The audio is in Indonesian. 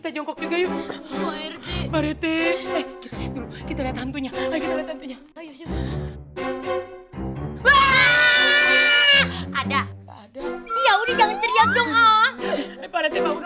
jangan di japa